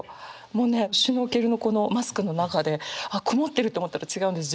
もうねシュノーケルのこのマスクの中であっ曇ってると思ったら違うんです。